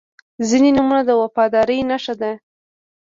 • ځینې نومونه د وفادارۍ نښه ده.